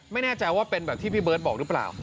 ไม่แน่ใจว่าเป็นแบบที่พี่เบิร์ตบอกหรือเปล่า